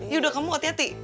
yaudah kamu hati hati